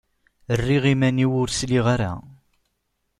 Rriɣ iman-iw ur sliɣ ara.